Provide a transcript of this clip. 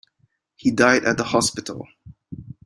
He died at the hospital.